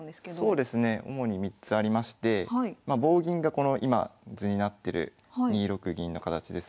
そうですね主に３つありましてまあ棒銀がこの今図になってる２六銀の形ですね。